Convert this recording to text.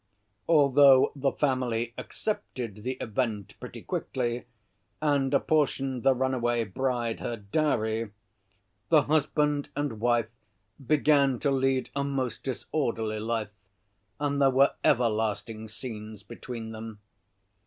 Although the family accepted the event pretty quickly and apportioned the runaway bride her dowry, the husband and wife began to lead a most disorderly life, and there were everlasting scenes between them.